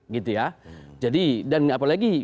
gitu ya jadi dan apalagi